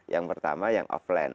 yang pertama yang offline